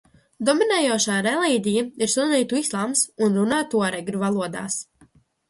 Dominējošā reliģija ir sunnītu islāms un runā tuaregu valodās.